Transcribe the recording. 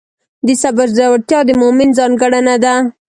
د صبر زړورتیا د مؤمن ځانګړنه ده.